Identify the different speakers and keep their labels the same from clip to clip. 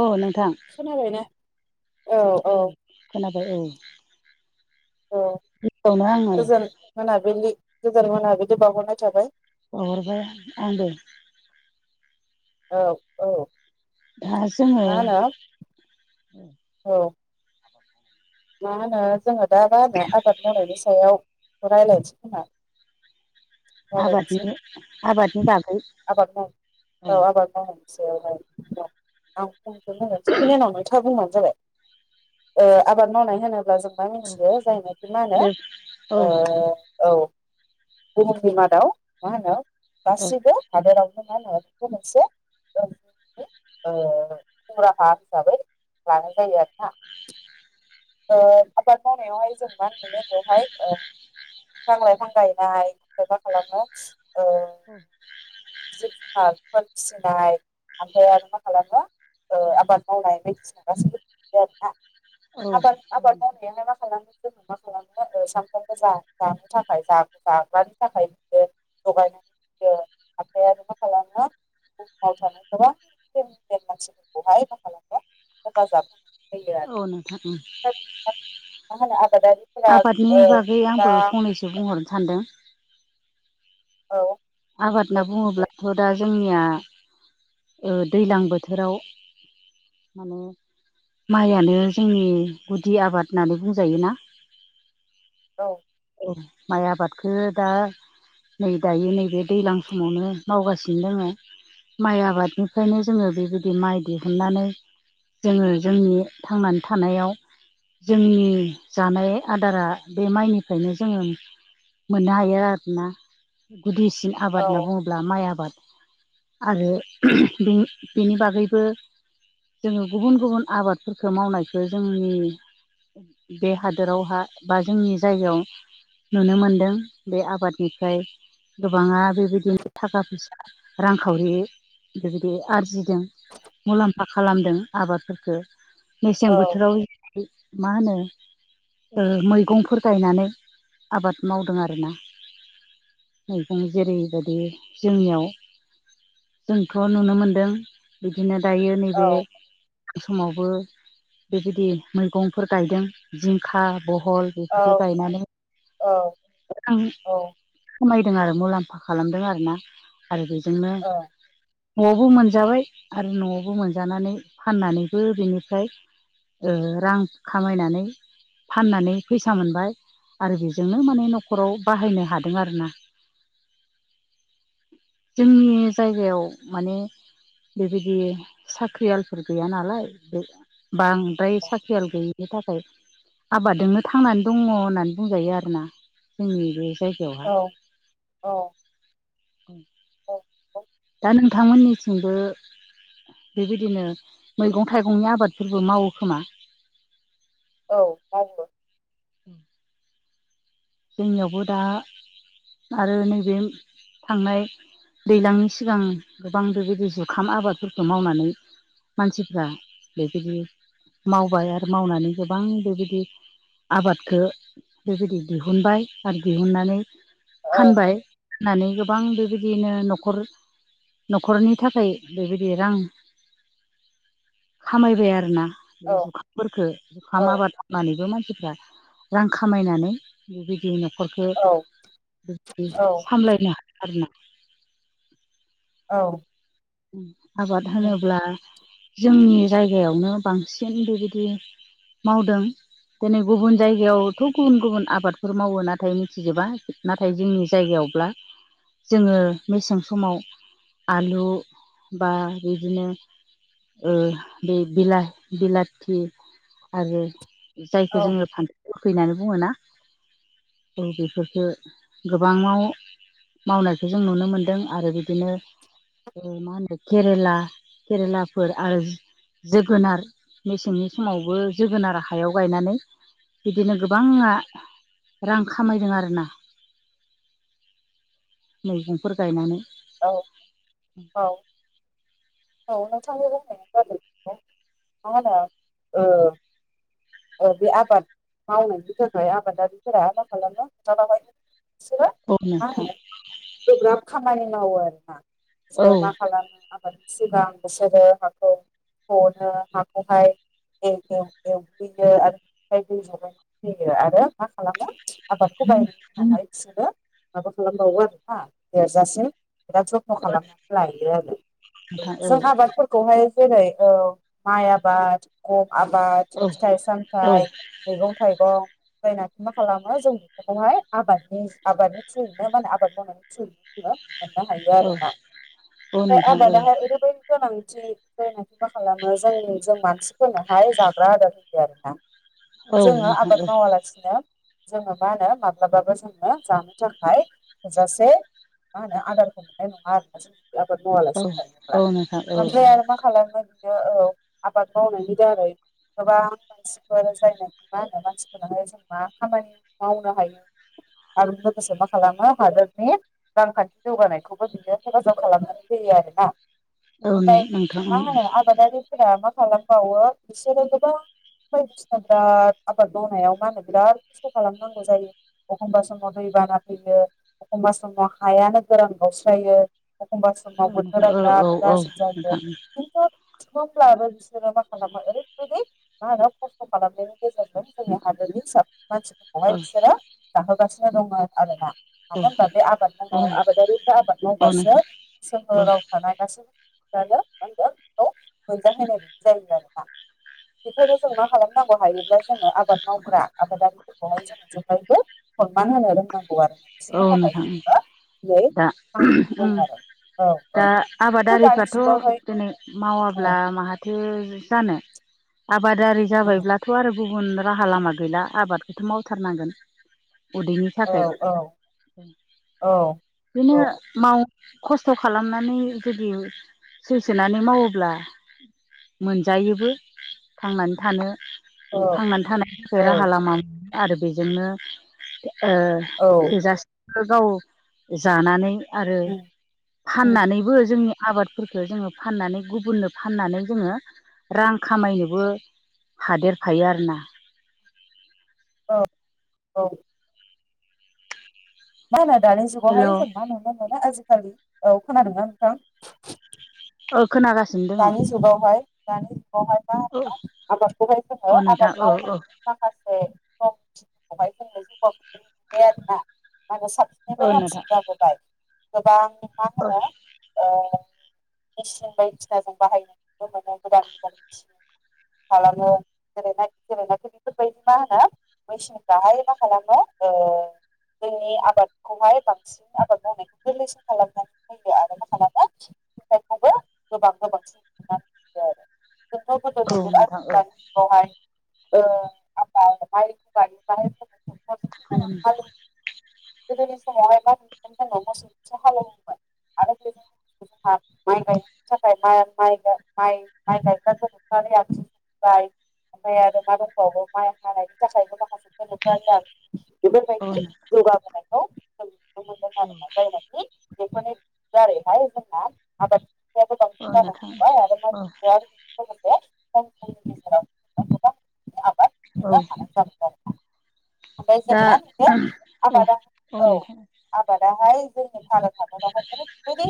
Speaker 1: अ नंगौ
Speaker 2: खोनाबाय ना
Speaker 1: औ खोनाबाय औ
Speaker 2: औ
Speaker 1: गिबियावनो आङो
Speaker 2: गोजोन मोनाबिलि गोजोन मोनाबिलि बावहरनाय थाबाय
Speaker 1: बावहरबाय आंबो
Speaker 2: औ औ
Speaker 1: दा जोङो
Speaker 2: मा होनो औ मा होनो जोङो दा मा होनो आबाद मावनायनि सायाव रायज्लायनोसै खोमा जाय
Speaker 1: आबादनि आबादनि बागै
Speaker 2: आबाद औ आबाद सायावहाय आं खमखौ होनोसै बिनि उनाव नोंथाङा बुंनो जाबाय आबाद मावनाय होनोबा अब्ला जोंबा
Speaker 1: औ
Speaker 2: मिथियो जायनाखि मा होनो
Speaker 1: दे
Speaker 2: औ बुहुमनि मादाव मा होनो
Speaker 1: औ
Speaker 2: गासिबो हादोरावनो मा खम [unintelligible] खराहा हिसाबै लानाय जायो आरोना आबाद मावनायावहाय जों मा मोनो बेवहाय गां लायफां गायनाय मा खालामो
Speaker 1: औ
Speaker 2: फोर फिसिनाय ओमफ्राय आरो मा खालामो आबाद मावनाय
Speaker 1: औ
Speaker 2: आबाद आबाद मावनायालाय मा खालामो जोङो मा खालामो सामफ्रामबो जा जानो थाखाय जखौ जाग्रानो थाखाय बि जगायनानै आमफ्राय आरो मा खालामो बुहुमाव थानाय गोबां मानसिफोरखौहाय बाहा हेफाजाब हो होयो आरो मा
Speaker 1: [inaudible]
Speaker 2: होनो आबादारिफोरा ओ
Speaker 1: आबादनि बागै आंबो
Speaker 2: गोबां
Speaker 1: फंनैसो बुंहरनो सानदों
Speaker 2: औ
Speaker 1: आबाद
Speaker 2: दे
Speaker 1: होनना
Speaker 2: बुंदो
Speaker 1: बुङोब्लाथ' दा जोंनिया दैज्लां बोथोराव माने माइयानो जोंनि गुदि आबाद होननानै बुंजायोना
Speaker 2: औ
Speaker 1: औ माइ आबादखौ दा नै दायो नैबे दैज्लां समावनो मावगासिनो दोङो माइ आबादनिफ्रायनो जोङो बेबायदि माइ दिहुननानै जोङो जोंनि थांनानै थानायाव जोंनि जानाय आदारा बे माइनिफ्रायनो जोङो मोननो हायो आरोना गुदिसिन आबाद होनना
Speaker 2: औ
Speaker 1: बुङोब्ला माइ आबाद आरो बेनि बागैबो जोङो गुबुन गुबुन आबादफोरखौ मावनायखौ जोंनि बे हादोरावहा बा जोंनि जायगायाव नुनो मोनदों बे आबादनिफ्राय गोबाङा बेबायदिनो थाखा फैसा रांखावरि बेबायदि आरजिदों मुलाम्फा खालामदों आबादफोरखौ मेसें
Speaker 2: औ
Speaker 1: बोथोराव मा होनो ओ मैगंफोर गायनानै आबाद मावदों आरोना मैगं जेरै बेबायदि जोंनियाव जोंथ' नुनो मोनदों बिदिनो दायो
Speaker 2: औ
Speaker 1: नैबे समावबो बेबायदि मैगंफोर गायदों जिंखा बहल बेफोरखौ
Speaker 2: औ
Speaker 1: गायनानै
Speaker 2: औ
Speaker 1: रां
Speaker 2: औ
Speaker 1: खामायदों आरो मुलाम फा खालामदों आरोना आरो बेजोंनो न'आवबो मोनजाबाय आरो न'आवबो मोनजानानै फाननानैबो बेनिफ्राय ओ रां खामायनानै फाननानै फैसा मोनबाय आरो बेजोंनो माने न'खराव बाहायनो हादों आरो ना
Speaker 2: [inaudible]
Speaker 1: जोंनि जायगायाव माने बेबायदि साख्रियालफोर गैया नालाय बे बांद्राय साखियाल गैयि थाखाय खाय आबादोंनो थांनानै दङ होननानै बुंजायो आरोना जोंनि बे जायगायावहा
Speaker 2: औ औ
Speaker 1: [unintelligible]
Speaker 2: [unintelligible]
Speaker 1: दा नोंथांमोननिथिंबो बेबायदिनो मैगं थाइगंनि आबादफोरबो मावोखोमा
Speaker 2: औ मावो
Speaker 1: [unintelligible] जोंनियावबो दा आरो नैबे थांनाय दैज्लांनि सिगां गोबां बेबायदि जुखाम आबादफोरखौ मावनानै मानसिफ्रा बेबायदि मावबाय आरो मावनानै गोबां बेबायदि आबादखौ बेबायदि दिहुनबाय आरो दिहुननानै
Speaker 2: औ
Speaker 1: फानबाय फाननानै बां बेबायदिनो न'खर न'खरनि थाखाय बेबायदि रां खामायबाय आरोना
Speaker 2: औ
Speaker 1: बे जुखामफोरखौ जुखाम
Speaker 2: औ
Speaker 1: आबाद मावनानैबो मानसिफ्रा रां खामायनानै बेबायदि न'खरखौ
Speaker 2: औ
Speaker 1: बेबायदि
Speaker 2: औ
Speaker 1: सामलायनो हायो आरो ना
Speaker 2: औ
Speaker 1: आबाद
Speaker 2: उम,
Speaker 1: होनोब्ला जोंनि जायगायावनो बांसिन बेबायदि मावदों दिनै गुबुन जायगायावथ गुबुन गुबुन आबादफोर मावो नाथाय मिथिजोबा नाथाय जोंनि जायगायाव अब्ला जोङो मेसें समाव आलु बा बिदिनो ओ बे बिला बिलाथि आरो
Speaker 2: औ
Speaker 1: जायखौ जोङो फानथो [unintelligible] गोखै होननानै बुङोना औ बेफोरफोरखो गोबां माव मावनायखौ जों नुनो मोनदों आरो बिदिनो ओ मा होनो केरेला केरेलाफोर आरो जोगोनार मेसेंनि समावबो जोगोनार हायाव गायनानै बिदिनो गोबांआ रां खामायदों आरोना
Speaker 2: [inaudible]
Speaker 1: मैगंफोर गायनानै
Speaker 2: औ औ औ नोंथांनि बुंनायानो जादों मा होनो बे आबाद मावनायनि थाखाय आबादारिफोरा मा खालामो माय बिसोरो
Speaker 1: औ नोंथां
Speaker 2: माहोनो गोब्राब खामानि खामानि मावो आरोना
Speaker 1: औ
Speaker 2: बिसोरो मा खालामो आबाद सिगां बिसोरो हाखौ हनो हाखौहाय एव एव एव [unintelligible] यो आरो मा खालामो आबादखौ गायनायनि उनावहाय बिसोरो माबा खालामबावो आरो हा देरजासिम बिराद जथ्न' खालामनानै लायो आरो
Speaker 1: नोंथां औ
Speaker 2: जों आबादफोरखौहाय जेरै औ माइ आबाद गम आबाद
Speaker 1: औ
Speaker 2: फिथाइ
Speaker 1: औ
Speaker 2: सामथाइ मैगं थाइगं जायनाखि मा खालामो जों बेफोरखौहाय आबादनि आबादनि थ्रुयैनो माने आबाद मावनायनि थ्रुयैनो जोङो मोननो हायो आरोना
Speaker 1: औ
Speaker 2: ओमफ्राय
Speaker 1: नोंथां औ
Speaker 2: आबादाहाय ओरैबायदि गोनां दि जायनाखि मा खालामो जोंनि जों मानसिफोरनोहाय जाग्रा आदार होयो आरो ना
Speaker 1: औ
Speaker 2: जोङो
Speaker 1: नोंथां
Speaker 2: आबाद
Speaker 1: औ
Speaker 2: मावालासिनो जोङो मा होनो माब्लाबाबो जोङो जानो थाखाय थोजासे मा होनो आदारखौ मोननाय नङा आरो ना जों [unintelligible]
Speaker 1: औ नोंथां औ
Speaker 2: ओमफ्राय आरो मा खालामोन यो औ आबाद मावनायनि दारै गोबां मानसिफोर [unintelligible] मा होनो मानसिफोराहाय जों मा खामानि मावनो हायो आरो लोगोसे मा खालामो हादोरनि रांखान्थि जौगानायखौबो बिदिनो हेफाजाब खालामनानै होयो यो आरोना
Speaker 1: औ
Speaker 2: ओमफ्राय
Speaker 1: नोंथां
Speaker 2: मा होनो आबादारिफोरा मा खालामबावो बिसोरो गोबां बायदिसिना बिराद आबाद मावनायाव मा होनो बिराद खस्थ' खालामनांगौ जायो अखमबा समाव दै बाना फैयो अखमबा समाव हायानो गोरान गावस्रायो अखमबा समाव
Speaker 1: औ नोंथां
Speaker 2: बोथोरा
Speaker 1: औ औ
Speaker 2: बिराद
Speaker 1: औ
Speaker 2: गाज्रि जायो
Speaker 1: नोंथां
Speaker 2: खिन्थु थुख्रब्लाबो बिसोरो मा खालामो ओरैबायदि मा होनो खस्थ' खालामनायनि गेजेरजों जोंनि हादोरनि मानसिफोरखौहाय
Speaker 1: औ
Speaker 2: बिसोरो जाहो गासिनो दङ आरो ना मानो होनबा बे आबाद
Speaker 1: औ
Speaker 2: मावनो आबादारिफोरा आबाद मावबासो
Speaker 1: नोंथां औ
Speaker 2: सोहोराव थानाय गासैबो [unintelligible] मोनजाहोनाय बायदि जायो आरोना बेखायनो जों मा खालामनांगौ हायोब्ला जोङो आबाद मावग्रा आबादारिफोरखौहाय जोङो जेब्लायबो [unintelligible] मान होनो रोंनांगौ आरो
Speaker 1: औ
Speaker 2: बिसोरनि थाखाय
Speaker 1: नोंथां ओं
Speaker 2: जोङो दिनै
Speaker 1: दा
Speaker 2: थांनानै
Speaker 1: [unintelligible]
Speaker 2: दं
Speaker 1: उम
Speaker 2: आरो औ औ
Speaker 1: दा
Speaker 2: खिन्थु दानि
Speaker 1: आबादारिफ्राथ'
Speaker 2: जुगावहाय
Speaker 1: दिनै
Speaker 2: औ
Speaker 1: मावाब्ला माहाथो जानो आबादारि जाबायब्लाथ' आरो गुबुन राहा लामा गैला आबादखौथ' मावथारनांगोन उदैनि
Speaker 2: औ
Speaker 1: थाखाय
Speaker 2: औ औ
Speaker 1: बिनो
Speaker 2: औ
Speaker 1: माव खस्थ' खालामनानै जुदि सैसोनानै मावोब्ला मोनजायोबो थांनानै थानो थांनानै थानायनि
Speaker 2: औ
Speaker 1: राहा लामा मोनो आरो बेजोंनो ओ
Speaker 2: औ
Speaker 1: थोजासे गाव जानानै आरो फाननानैबो जोंनि आबादफोरखौ जोङो फाननानै गुबुननो फाननानै जोङो रां खामायनोबो हादेर फायो आरो ना
Speaker 2: औ औ मा होनो दानि
Speaker 1: हेल'
Speaker 2: जुगावहाय जों मा नुनो मोनो आजिखालि औ खोनादों ना नोंथां
Speaker 1: ओ खोनागासिनो दङ
Speaker 2: दानि जुगावहाय दानि जुगावहाय मा
Speaker 1: औ
Speaker 2: होनो आबादखौहाय जोङो
Speaker 1: औ
Speaker 2: आबाद
Speaker 1: नोंथां औ औ
Speaker 2: मावनायनि माखासे [unintelligible] मा होनो
Speaker 1: औ
Speaker 2: साबसिननिफ्राय हामसिन
Speaker 1: नोंथां
Speaker 2: जाबोबाय गोबां मा होनो
Speaker 1: [unintelligible]
Speaker 2: [unintelligible] [unintelligible] बेफोरबायदि मा होनो [unintelligible] मा खालामो ओ। जोंनि आबादखौहाय बांसिन आबाद मावनायखौ गोरलैसिन खालामनानै होयो आरो मा खालाम। [unintelligible] गोबां गोबां सम आरो
Speaker 1: औ नोंथां
Speaker 2: जोंथ'
Speaker 1: औ
Speaker 2: गोदो [unintelligible] दानि जुगावहाय। [unintelligible]
Speaker 1: गुबन
Speaker 2: जोङो हालेव गोदोनि समावहाय मा नुदों जोङो मोसौजोंसो हालेवबोबाय आरो बेजों। [unintelligible] माइ गायनाय थाखाय माइ माइ माइ गायग्रा [unintelligible] ओमफाय आरो मा दंबावो बो माइ हानायनि थाखायबो माखासे गोनोखोआरि आगजु। बेफोर
Speaker 1: औ
Speaker 2: बायदि जौगाबोनायखौ जों
Speaker 1: औ।
Speaker 2: बेफोरनो दारैहाय जोंना आबाद।
Speaker 1: औ
Speaker 2: बांसिन जानो
Speaker 1: नोंथां
Speaker 2: हमबाय आरो मा
Speaker 1: औ।
Speaker 2: लोगोसे खम समनि गेजेराव गोबां आबाद
Speaker 1: औ।
Speaker 2: ओमफाय जों
Speaker 1: दा
Speaker 2: मा होनखो
Speaker 1: औ
Speaker 2: आबादा औ आबादा हाय जोंनि भारत हादरावहाय ओरैबायदि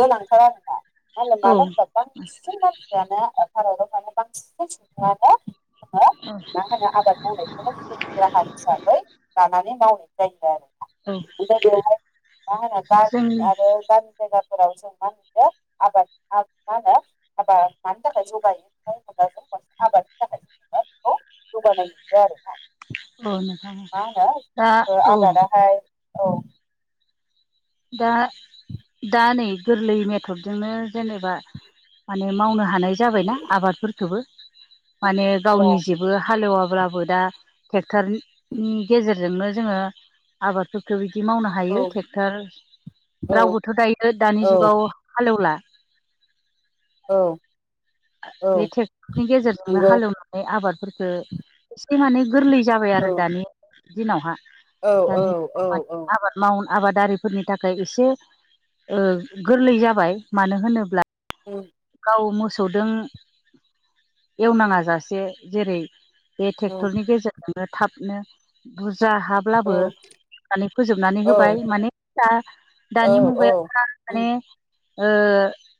Speaker 2: गोनांथार आरोना मा होनो
Speaker 1: औ
Speaker 2: मानो होनबा बांसिन मानसियानो भारताव थानाय बांसिन सुबुंङानो। मा होनो आबाद मावनायखौनो जिउ राहा हिसाबै लानानै मावो। जायो आरो ना
Speaker 1: औ
Speaker 2: ओमफ्राय बेवहाय मा होनो
Speaker 1: जों
Speaker 2: [unintelligible] आरो गामि जायगा फोराव जों मा नुखो। आबाद मा होनो आबाद मानि थाखाय जौगायो आबादनि थाखाय। [unintelligible] जौगानाय नुदों आरो ना।
Speaker 1: औ नोंथां
Speaker 2: मा
Speaker 1: दा
Speaker 2: होनो
Speaker 1: औ
Speaker 2: आबादाहाय औ
Speaker 1: दा दा नै गोरलै मेथदजोंनो जेनेबा। माने मावनो हानाय जाबायना आबादफोरखौबो माने
Speaker 2: औ
Speaker 1: गावनि जेबो हालेवा ब्लाबो दा ट्रेक्ट'रनि गेजेरजोंनो जोङो आबादफोरखौ। दि मावनो
Speaker 2: औ
Speaker 1: हायो ट्रेक्टर
Speaker 2: औ
Speaker 1: रावबोथ' दायो दानि जुगाव हालेव ला‌
Speaker 2: औ
Speaker 1: बे
Speaker 2: औ
Speaker 1: ट्रेक्टरनि गेजेरजोंनो
Speaker 2: नंगौ
Speaker 1: हालेवनानै आबादफोरखौ एसे माने गोरलै जाबाय
Speaker 2: औ
Speaker 1: आरो दानि दिनावहा।
Speaker 2: औ औ
Speaker 1: दानि
Speaker 2: औ औ
Speaker 1: आबाद मावनाय आबादारिफोरनि थाखाय एसे गोरलै जाबाय मानो होनोब्ला
Speaker 2: उम
Speaker 1: मोसौदों एवनाङा जासे जेरै बे
Speaker 2: उम
Speaker 1: ट्रेक्टरनि गेजेरजोंनो थाबनो बुरजा हा
Speaker 2: औ
Speaker 1: ब्लाबो नानै फोजोबनानै
Speaker 2: औ
Speaker 1: होबाय माने दा दानि
Speaker 2: औ औ
Speaker 1: मुगायाव
Speaker 2: उम
Speaker 1: माने।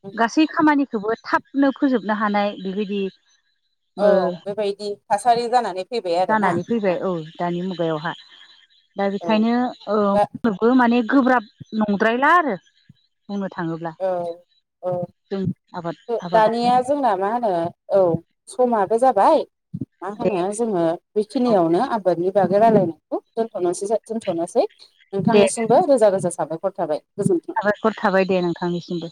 Speaker 2: उम
Speaker 1: गासै खामानिखौबो थाबनो फोजोबनो हानाय बेबायदि
Speaker 2: औ बेबायदि थासारि जानानै फैबाय आरोना
Speaker 1: जानानै फैबाय औ दानि मुगाव बिायावहा दा
Speaker 2: औ
Speaker 1: बेखायनो
Speaker 2: दा
Speaker 1: माने गोब्राब नंद्रायला आरो बुंनो थाङोब्ला
Speaker 2: औ औ
Speaker 1: जों आबाद आबादा
Speaker 2: दानिया जोंना मा होनो औ समाबो जाबाय मा
Speaker 1: दे
Speaker 2: होनो जोङो
Speaker 1: औ
Speaker 2: बेखिनियावनो आबादनि। नि बागै रायलायनायखौ दोनथ'नोसै दोन्थ'नोसै
Speaker 1: दे
Speaker 2: नोंथांनिसिमबो रोजा रोजा साबायखर थाबाय। गोजोन्थों
Speaker 1: साबायखर थाबाय दे नोंथांनिसिमबो